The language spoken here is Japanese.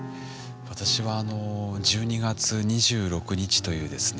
私は１２月２６日というですね